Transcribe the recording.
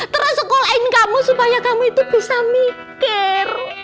terus sekolahin kamu supaya kamu itu bisa mikir